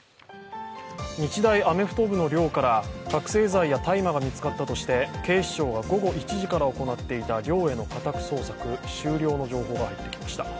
日大アメフト部の寮から覚醒剤や大麻が見つかったとして警視庁が午後１時から行っていた寮への家宅捜索終了の情報が入ってきました。